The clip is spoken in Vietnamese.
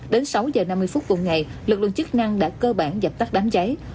đến sáu giờ năm mươi phút cùng ngày lực lượng chức năng đã cơ bản dập tắt đám cháy